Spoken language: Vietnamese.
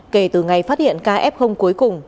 kể từ ngày phát hiện kf cuối cùng